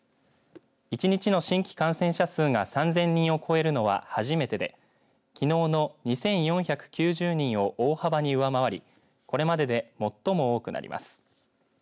１日の新規感染者数が３０００人を超えるのは初めてできのうの２４９０人を大幅に上回りこれまでで最も多くなります。